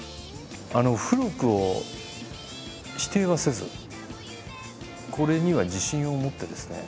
古くを否定はせずこれには自信を持ってですね。